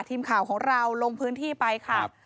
ทีมข่าวของเราลงพื้นที่ไปค่ะ